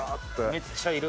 めっちゃいる。